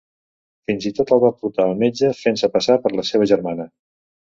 Fins i tot el va portar al metge fent-se passar per la seva germana.